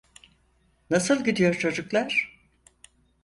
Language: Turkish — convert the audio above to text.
Nasıl gidiyor çocuklar?